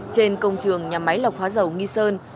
trên công trường nhà máy lọc hóa dầu nghi sơn